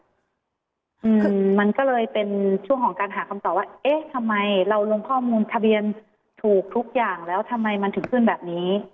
คือมันก็เลยเป็นช่วงของการหาคำตอบว่าเอ๊ะทำไมเราลงข้อมูลทะเบียนถูกทุกอย่างแล้วทำไมมันถึงขึ้นแบบนี้